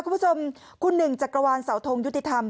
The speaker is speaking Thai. คุณผู้ชมคุณหนึ่งจักรวาลเสาทงยุติธรรม